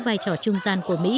vai trò trung gian của mỹ